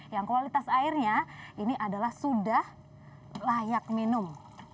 yang kualitas airnya ini adalah sudah layak minum